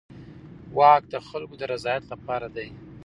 واک د خلکو د رضایت لپاره دی.